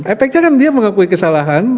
efeknya kan dia mengakui kesalahan